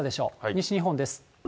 西日本です。